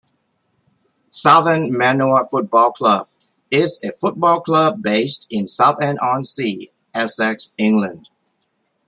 Southend Manor Football Club is a football club based in Southend-on-Sea, Essex, England.